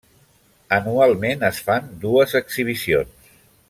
Anualment es fan dues exhibicions.